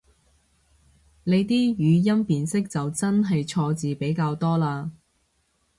你啲語音辨識就真係錯字比較多嘞